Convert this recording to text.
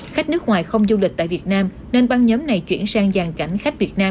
khách nước ngoài không du lịch tại việt nam nên băng nhóm này chuyển sang giàn cảnh khách việt nam